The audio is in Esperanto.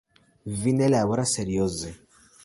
Vi ne laboras serioze.